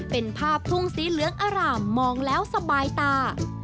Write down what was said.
เป็นภาพทุ่งสีเหลืองอร่ามมองแล้วสบายตา